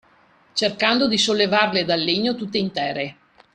Cercando di sollevarle dal legno tutte intere